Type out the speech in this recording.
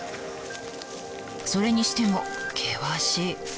それにしても険しい。